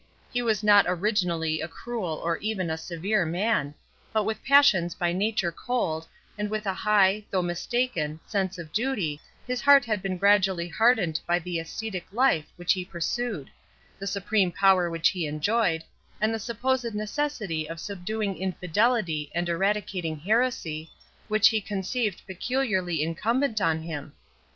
He was not originally a cruel or even a severe man; but with passions by nature cold, and with a high, though mistaken, sense of duty, his heart had been gradually hardened by the ascetic life which he pursued, the supreme power which he enjoyed, and the supposed necessity of subduing infidelity and eradicating heresy, which he conceived peculiarly incumbent on him.